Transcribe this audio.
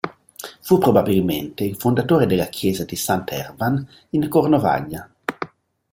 Fu probabilmente il fondatore della chiesa di Sant'Ervan in Cornovaglia.